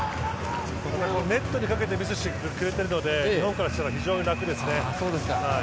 ネットにかけてミスしてるので日本からすれば非常に楽ですね。